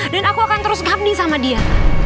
dan aku akan terus ngabding sama dia